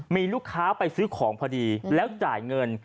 มีลูกค้าไปซื้อของพอดีแล้วจ่ายเงิน